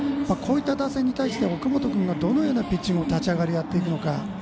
こういった打線に対して奥本君がどのようなピッチングを立ち上がりやっていくのか。